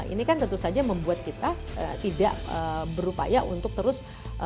ini kan tentu saja membuat kita tidak berupaya untuk terus